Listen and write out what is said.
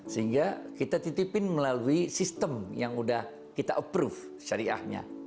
sehingga kita titipin melalui sistem yang udah kita approve syariahnya